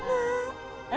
ayah ikhlas ya mas